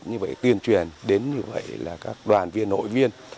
như vậy tuyên truyền đến như vậy là các đoàn viên nội viên